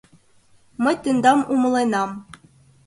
— Мый тендам умыленам.